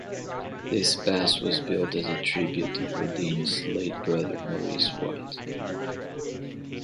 This bass was built as a tribute to Verdine's late brother, Maurice White.